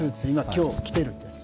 今日、着てるんです。